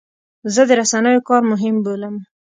زه د رسنیو کار مهم بولم.